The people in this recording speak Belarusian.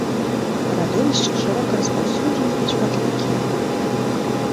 Радовішчы шырока распаўсюджаны і шматлікія.